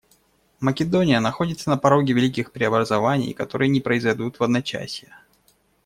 Македония находится на пороге великих преобразований, которые не произойдут в одночасье.